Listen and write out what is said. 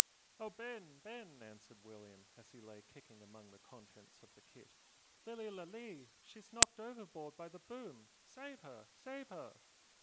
"O Ben! Ben!" answered William, as he lay kicking among the contents of the kit, "Lilly Lalee, she's knocked overboard by the boom! Save her! save her!"